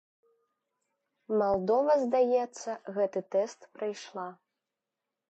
Малдова, здаецца, гэты тэст прайшла.